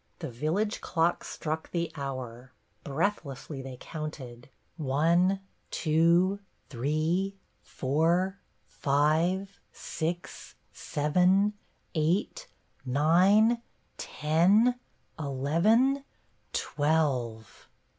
The village clock struck the hour ; breathlessly they counted, — one, two, three, four, five, six, seven, eight, nine, ten, eleven, twelve